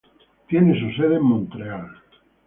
Tiene su sede en Montreal.